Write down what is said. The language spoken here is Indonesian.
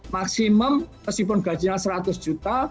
maksimum meskipun gajinya seratus juta